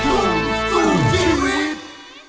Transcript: อายคือปริญญาใจน้องจึงยิ่มได้วันนี้